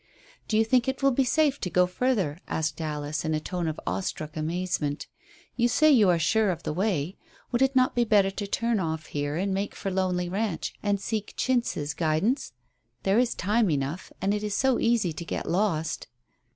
"Do you think it will be safe to go further?" asked Alice, in a tone of awestruck amazement. "You say you are sure of the way. Would it not be better to turn off here and make for Lonely Ranch, and seek Chintz's guidance? There is time enough, and it is so easy to get lost."